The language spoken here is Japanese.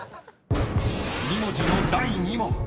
［２文字の第２問］